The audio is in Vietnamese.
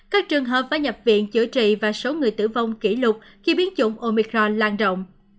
các trường hợp phải nhập viện chữa trị và số người tử vong kỷ lục khi biến chủng omicro lan rộng